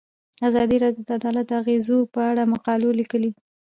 ازادي راډیو د عدالت د اغیزو په اړه مقالو لیکلي.